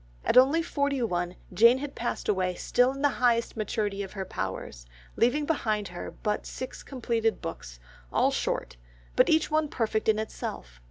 At only forty one Jane had passed away still in the highest maturity of her powers, leaving behind her but six completed books, all short, but each one perfect in itself.